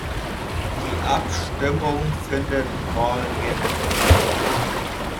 Die Abstimmung findet morgen statt.